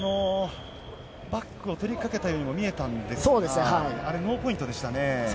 バックを取りかけたようにも見えたんですけれど、あれ、ノーポイントでしたね。